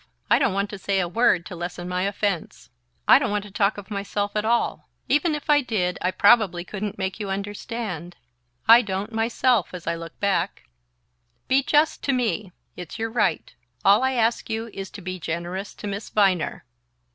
I don't want to say a word to lessen my offense. I don't want to talk of myself at all. Even if I did, I probably couldn't make you understand I don't, myself, as I look back. Be just to me it's your right; all I ask you is to be generous to Miss Viner..."